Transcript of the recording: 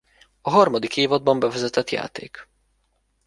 A harmadik évadban bevezetett játék.